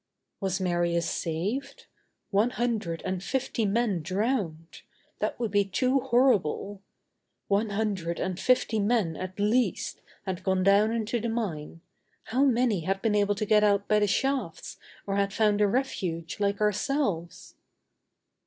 Was Marius saved? One hundred and fifty men drowned! That would be too horrible. One hundred and fifty men, at least, had gone down into the mine, how many had been able to get out by the shafts, or had found a refuge like ourselves?